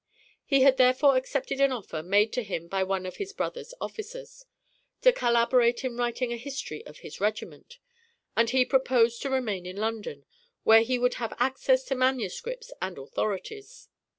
He had therefore accepted an offer made to him by one of his brother officers, to collaborate in writing a history of his regiment; and he proposed to remain in London, where he would have access to manuscripts and authorities.